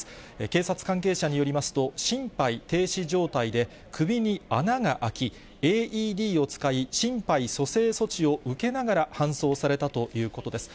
警察関係者によりますと、心肺停止状態で、首に穴が開き、ＡＥＤを使い、心肺蘇生措置を受けながら搬送されたということです。